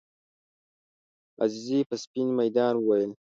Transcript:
عزیزي په سپین میدان وویل.